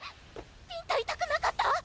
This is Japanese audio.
ビンタ痛くなかった！？